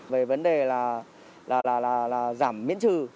về vấn đề là giảm miễn trừ